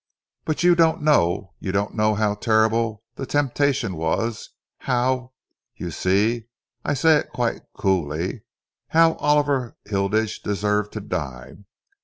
But you don't know you don't know how terrible the temptation was how you see I say it quite coolly how Oliver Hilditch deserved to die.